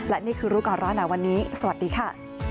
และนี่คือรู้ก่อนร้อนหนาวันนี้สวัสดีค่ะ